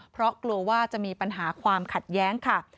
เพราะกลัวว่าจะมีปัญหาความขัดแย้งค่ะ